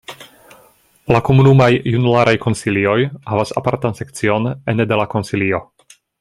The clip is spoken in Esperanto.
La komunumaj junularaj konsilioj havas apartan sekcion ene de la Konsilio.